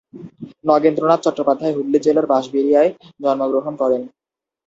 নগেন্দ্রনাথ চট্টোপাধ্যায় হুগলী জেলার বাঁশবেড়িয়ায় জন্মগ্রহণ করেন।